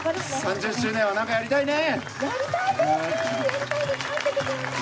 ３０周年はなんかやりたいね。